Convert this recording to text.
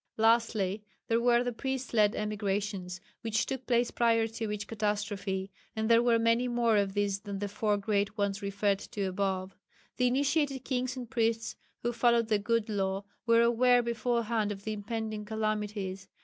Lastly, there were the priest led emigrations which took place prior to each catastrophe and there were many more of these than the four great ones referred to above. The initiated kings and priests who followed the "good law" were aware beforehand of the impending calamities.